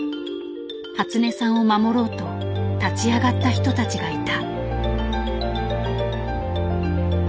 初音さんを守ろうと立ち上がった人たちがいた。